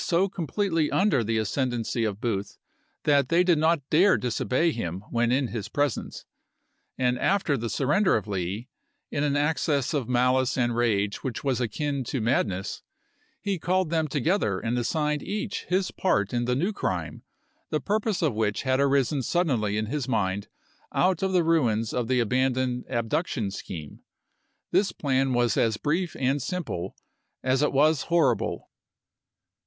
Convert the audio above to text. so completely under the ascendency of Booth that they did not dare disobey him when in his pres ence ; and after the surrender of Lee, in an access of malice and rage which was akin to madness, he called them together and assigned each his part in the new crime, the purpose of which had arisen suddenly in his mind out of the ruins of the abandoned abduction scheme. This plan was as brief and simple as it was horrible.